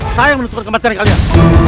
saya yang menuntutkan kematian kalian